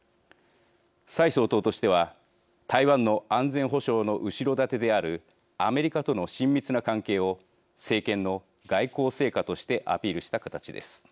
蔡総統としては台湾の安全保障の後ろ盾であるアメリカとの親密な関係を政権の外交成果としてアピールした形です。